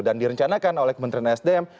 dan direncanakan oleh kementerian sdm